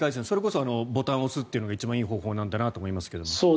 それこそボタンを押すというのが一番いい方法だと思いますが。